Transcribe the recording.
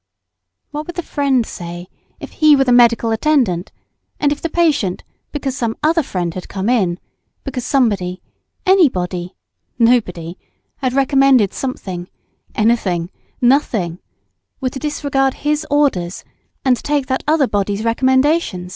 What would the friend say, if he were the medical attendant, and if the patient, because some other friend had come in, because somebody, anybody, nobody, had recommended something, anything, nothing, were to disregard his orders, and take that other body's recommendation?